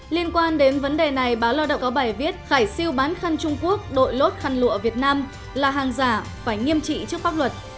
liên quan đến vấn đề này báo lao động có bài viết khải siêu bán khăn trung quốc đội lốt khăn lụa việt nam là hàng giả phải nghiêm trị trước pháp luật